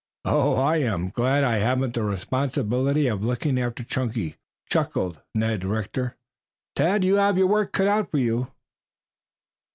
"I am glad I haven't the responsibility of looking after Chunky," chuckled Ned Rector. "Tad, you have your work cut out for you."